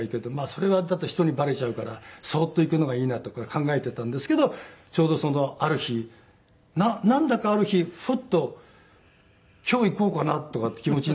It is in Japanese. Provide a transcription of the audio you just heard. それだと人にバレちゃうからそっと行くのがいいなとか考えていたんですけどちょうどある日なんだかある日ふっと今日行こうかなとかって気持ちになりまして。